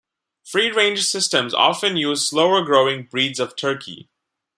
Free-range systems often use slower-growing breeds of turkey.